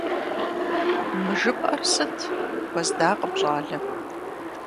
— Мы жыпӀэр сыт? — хуэздакъым щӀалэм.